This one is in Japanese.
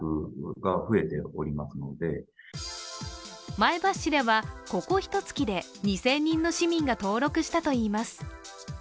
前橋市では、ここひと月で２０００人の市民が登録したといいます。